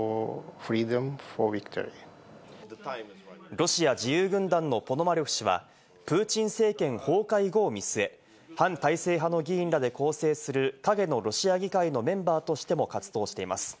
ロシア自由軍団のポノマリョフ氏は、プーチン政権崩壊後を見据え、反体制派の議員らで構成する影のロシア議会のメンバーとしても活動しています。